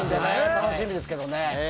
楽しみですけど。